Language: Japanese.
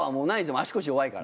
足腰弱いから。